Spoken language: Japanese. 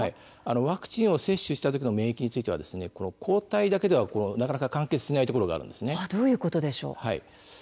ワクチンを接種したときの免疫についての抗体だけではなかなか完結しないところがあるんです。